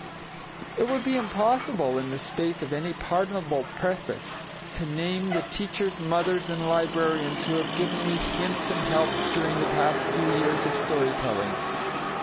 It would be impossible, in the space of any pardonable preface, to name the teachers, mothers, and librarians who have given me hints and helps during the past few years of story telling.